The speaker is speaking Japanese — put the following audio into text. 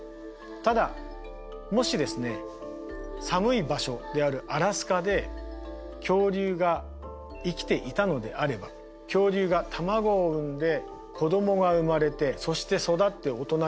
ただもしですね寒い場所であるアラスカで恐竜が生きていたのであれば恐竜が卵を産んで子供が生まれてそして育って大人になる。